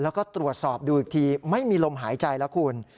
แล้วก็ตรวจสอบดูอีกทีไม่มีลมหายใจแล้วคุณ